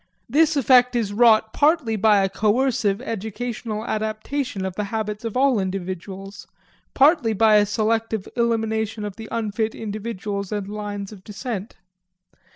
This effect is wrought partly by a coercive, educational adaptation of the habits of all individuals, partly by a selective elimination of the unfit individuals and lines of descent.